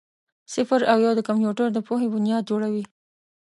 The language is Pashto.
صفر او یو د کمپیوټر د پوهې بنیاد جوړوي.